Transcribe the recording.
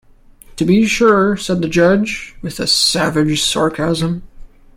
"To be sure," said the judge, with a savage sarcasm.